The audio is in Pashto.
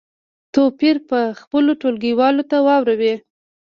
توپیر په خپلو ټولګیوالو ته واوروئ.